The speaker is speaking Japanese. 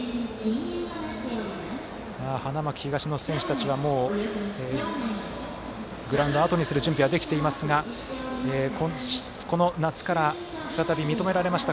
花巻東の選手たちはもうグラウンドをあとにする準備はできていますがこの夏から、再び認められました